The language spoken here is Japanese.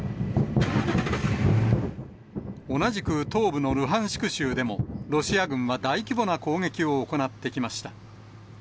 同じく東部のルハンシク州でも、ロシア軍は大規模な攻撃を行ってきました。